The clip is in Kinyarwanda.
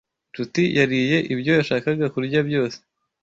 Nshuti yariye ibyo yashakaga kurya byose.